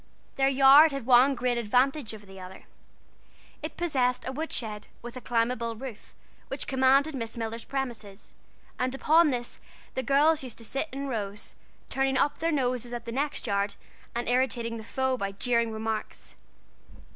Their yard had one great advantage over the other: it possessed a wood shed, with a climbable roof, which commanded Miss Miller's premises, and upon this the girls used to sit in rows, turning up their noses at the next yard, and irritating the foe by jeering remarks.